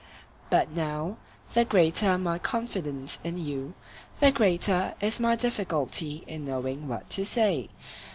But now, the greater my confidence in you, the greater is my difficulty in knowing what to say.